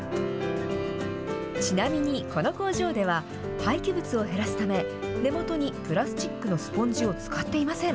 ちなみにこの工場では、廃棄物を減らすため、根元にプラスチックのスポンジを使っていません。